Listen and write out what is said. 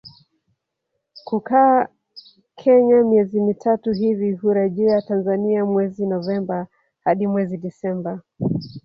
kukaa Kenya miezi mitatu hivi hurejea Tanzania mwezi Novemba hadi mwezi Disemba